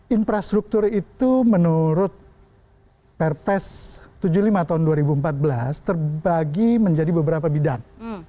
infrastruktur itu menurut perpres tujuh puluh lima tahun dua ribu empat belas terbagi menjadi beberapa bidang